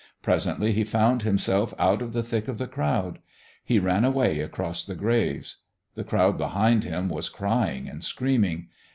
Presently he found himself out of the thick of the crowd. He ran away across the graves. The crowd behind him was crying and screaming.